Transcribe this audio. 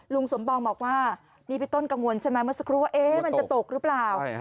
ลุงสมปองบอกว่านี่พี่ต้นกังวลใช่ไหมเมื่อสักครู่ว่ามันจะตกหรือเปล่า